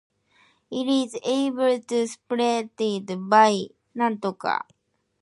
It is able to spread by suckering.